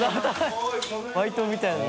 バイトみたいな。